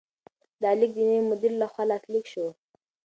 دا لیک د نوي مدیر لخوا لاسلیک شو.